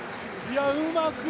うまく